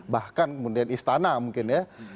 bahkan kemudian istana mungkin ya